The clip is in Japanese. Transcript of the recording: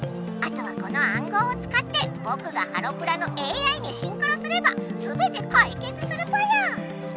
あとはこのあんごうを使ってぼくがハロプラのＡＩにシンクロすればすべてかいけつするぽよ！